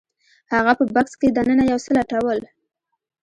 هغه په بکس کې دننه یو څه لټول